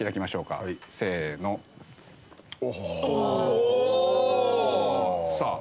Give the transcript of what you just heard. おお！さあ。